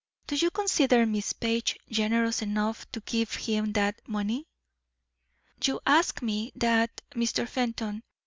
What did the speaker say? Do you consider Miss Page generous enough to give him that money?" "You ask ME that, Mr. Fenton.